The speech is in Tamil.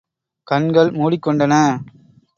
கண்கள் மூடிக் கொண்டன.